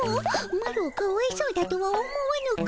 マロをかわいそうだとは思わぬか？